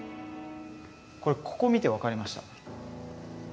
これここ見て分かりました。